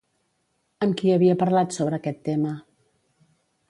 Amb qui havia parlat sobre aquest tema?